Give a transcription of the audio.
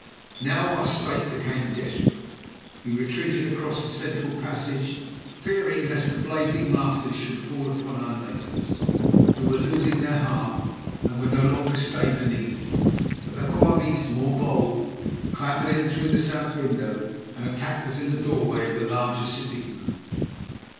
Now our state became desperate. We retreated across the central passage, fearing lest the blazing rafters should fall upon our natives, who were losing heart and would no longer stay beneath them. But the Quabies, more bold, clambered in through the south window, and attacked us in the doorway of the larger sitting room.